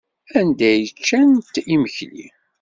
Anda ay ččant imekli?